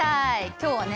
今日はね